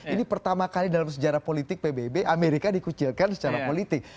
ini pertama kali dalam sejarah politik pbb amerika dikucilkan secara politik